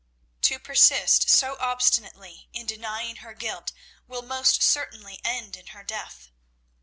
To persist so obstinately in denying her guilt will most certainly end in her death.